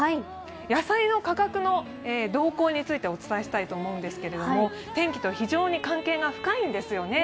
野菜の価格の動向についてお伝えしたいと思うんですけれども天気と非常に関係が深いんですよね。